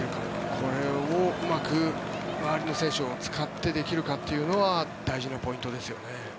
これをうまく周りの選手を使ってできるかというのは大事なポイントですよね。